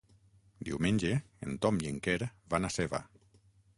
Diumenge en Tom i en Quer van a Seva.